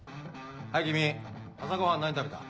はい君朝ご飯何食べた？